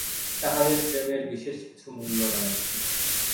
তাহাদের প্রেমের বিশেষ কিছু মূল্য নাই।